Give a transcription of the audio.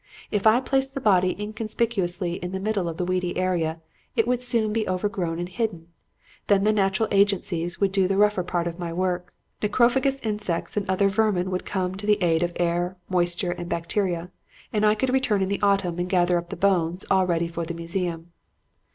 If I placed the body inconspicuously in the middle of the weedy area it would soon be overgrown and hidden. Then the natural agencies would do the rougher part of my work. Necrophagous insects and other vermin would come to the aid of air, moisture and bacteria, and I could return in the autumn and gather up the bones all ready for the museum.